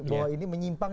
bahwa ini menyimpang